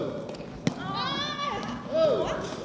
สุดท้ายสุดท้ายสุดท้าย